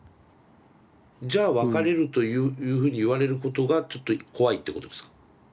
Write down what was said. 「じゃあ別れる」というふうに言われることがちょっと怖いってことですか？